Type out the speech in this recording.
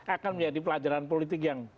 akan menjadi pelajaran politik yang